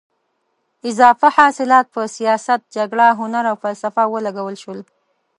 اضافه حاصلات په سیاست، جګړه، هنر او فلسفه ولګول شول.